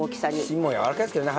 芯もやわらかいですけどね